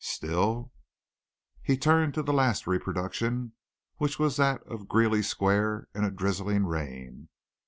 Still He turned to the last reproduction which was that of Greeley Square in a drizzling rain.